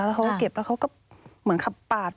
แล้วเขาก็เก็บแล้วเขาก็เหมือนขับปาด